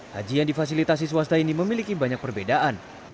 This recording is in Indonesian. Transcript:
haji yang difasilitasi swasta ini memiliki banyak perbedaan